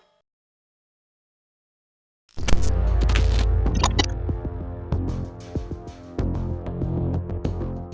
ครั้งสุดท้าย